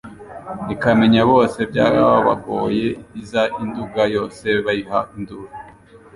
Ikamenya bose byabagoye Iza i Nduga yose bayiha induru